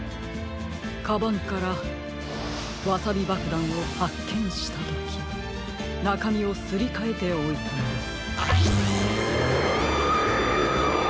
カバンからワサビばくだんをはっけんしたときなかみをすりかえておいたのです。